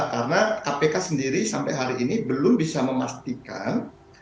karena kpk sendiri sampai hari ini belum bisa memastikan